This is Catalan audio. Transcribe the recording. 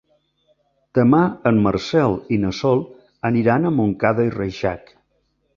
Demà en Marcel i na Sol aniran a Montcada i Reixac.